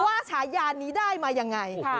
ฉายานี้ได้มายังไง